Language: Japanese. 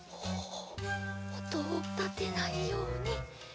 おおとをたてないように。